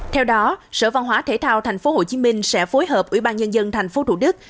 theo đó sở văn hóa thể thao tp hcm sẽ phối hợp ủy ban nhân dân tp thủ đức